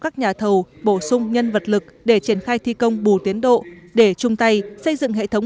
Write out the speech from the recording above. các nhà thầu bổ sung nhân vật lực để triển khai thi công bù tiến độ để chung tay xây dựng hệ thống